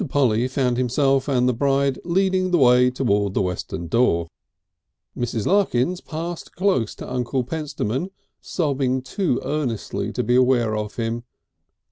Polly found himself and the bride leading the way towards the western door. Mrs. Larkins passed close to Uncle Pentstemon, sobbing too earnestly to be aware of him.